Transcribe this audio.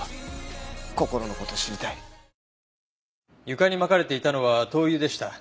床に撒かれていたのは灯油でした。